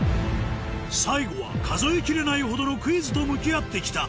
最後は数え切れないほどのクイズと向き合って来た